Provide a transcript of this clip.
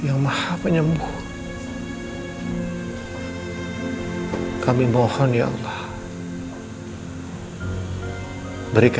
nggak mau di suntik